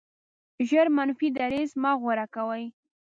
ژر منفي دریځ مه غوره کوئ.